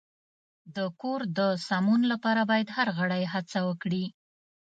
د کور د سمون لپاره باید هر غړی هڅه وکړي.